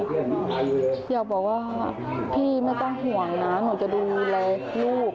อยากบอกว่าพี่ไม่ต้องห่วงนะหนูจะดูแลลูก